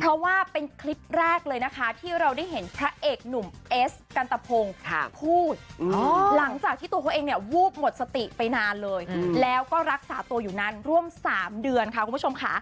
เพราะว่าเป็นคลิปแรกเลยนะคะที่เราได้เห็นพระเอกหนุ่มเอสกันตะพงพูดหลังจากที่ตัวเขาเองเนี่ยวูบหมดสติไปนานเลยแล้วก็รักษาตัวอยู่นานร่วม๓เดือนค่ะคุณผู้ชมค่ะ